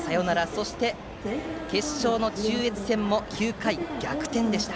そして、決勝の中越戦も９回に逆転でした。